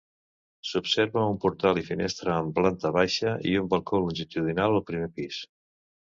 S'observa un portal i finestra en planta baixa i un balcó longitudinal al primer pis.